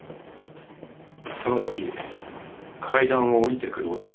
そのとき階段を下りてくる男とぶつかった。